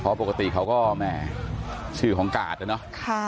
เพราะปกติเขาก็แหม่ชื่อของกาดอะเนาะ